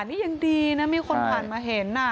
นี่ยังดีนะมีคนผ่านมาเห็น